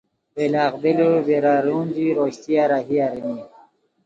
ویلاغبیلو بیرارونجی روشتیہ راہی ارینی